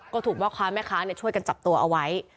ก็ถูกพ่อค้าแม่ค้าช่วยกันจับตัวเอาไว้